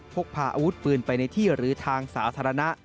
พกพาอาวุธปืนไปในที่หรือทางสาธารณะ